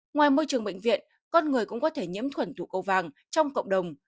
ngoài môi trường bệnh viện con người cũng có thể nhiễm khuẩn tụ cầu vàng trong cộng đồng